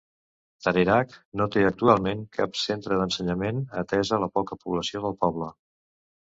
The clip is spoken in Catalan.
Tarerac no té actualment cap centre d'ensenyament, atesa la poca població del poble.